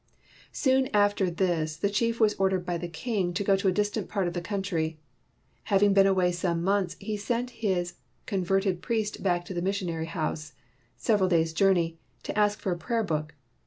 Soon after this the chief was ordered by the king to go to a distant part of the coun try. Having been away some months, he sent his converted priest back to the mis sion house, several days' journey, to ask for a prayer book.